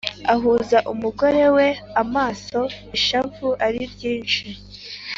ahuza n’umugorewe amaso ishavu ariryinshi.